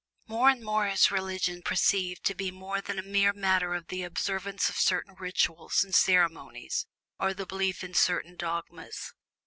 More and more is Religion perceived to be more than a mere matter of the observance of certain ritual and ceremonies, or the belief in certain dogmas.